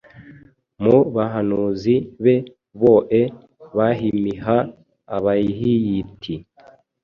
Mu bahanuzi be boe bahimiha abahyiti